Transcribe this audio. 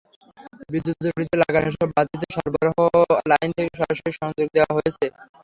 বিদ্যুতের খুঁটিতে লাগানো এসব বাতিতে সরবরাহ লাইন থেকে সরাসরি সংযোগ দেওয়া হয়েছে।